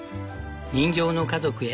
人形の家族へ。